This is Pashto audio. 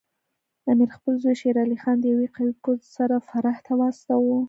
امیر خپل زوی شیر علي خان د یوه قوي پوځ سره فراه ته واستاوه.